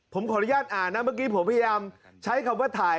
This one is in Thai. ผมขออนุญาตอ่านนะเมื่อกี้ผมพยายามใช้คำว่าถ่าย